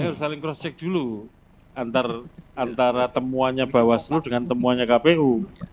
saya harus saling cross check dulu antara temuannya bawaslu dengan temuannya kpu